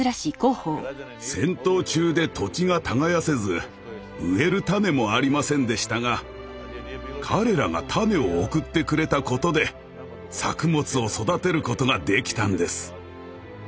戦闘中で土地が耕せず植える種もありませんでしたが彼らが種を送ってくれたことで作物を育てることができたんです。